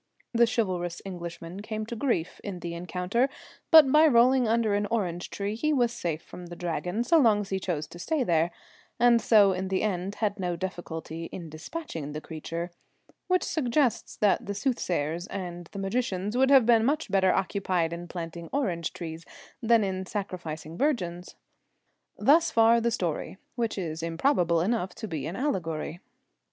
The chivalrous Englishman came to grief in the encounter, but by rolling under an orange tree he was safe from the Dragon so long as he chose to stay there, and so in the end had no difficulty in despatching the creature; which suggests that the soothsayers and the magicians would have been much better occupied in planting orange trees than in sacrificing virgins. Thus far the story, which is improbable enough to be an allegory.